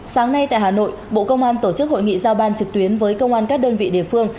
sáng nay tại hà nội bộ công an tổ chức hội nghị giao ban trực tuyến với công an các đơn vị địa phương